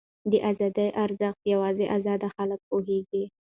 د ازادۍ ارزښت یوازې ازاد خلک پوهېږي.